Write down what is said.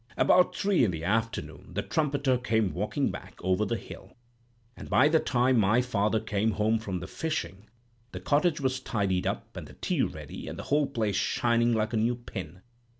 About three in the afternoon the trumpeter came walking back over the hill; and by the time my father came home from the fishing, the cottage was tidied up, and the tea ready, and the whole place shining like a new pin.